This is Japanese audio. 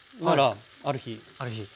ある日。